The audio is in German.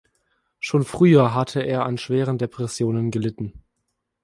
Schon früher hatte er an schweren Depressionen gelitten.